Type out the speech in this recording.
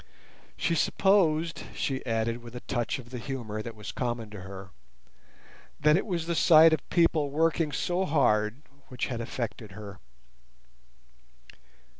She supposed, she added with a touch of the humour that was common to her, that it was the sight of people working so hard which had affected her.